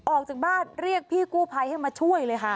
ออกจากบ้านเรียกพี่กู้ภัยให้มาช่วยเลยค่ะ